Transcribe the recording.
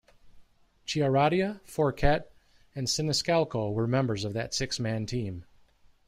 Chiaradia, Forquet, and Siniscalco were members of that six-man team.